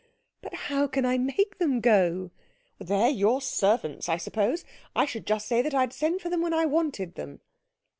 "But how can I make them go?" "They're your servants, I suppose. I should just say that I'd send for them when I wanted them."